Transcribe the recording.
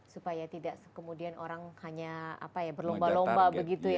supaya tidak kemudian orang hanya berlomba lomba begitu ya